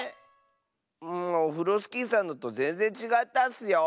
オフロスキーさんのとぜんぜんちがったッスよ！